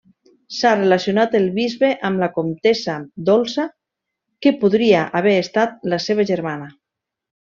S'ha relacionat el bisbe amb la comtessa Dolça, que podria haver estat la seva germana.